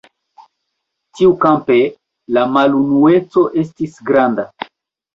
Tiukampe la malunueco estis granda.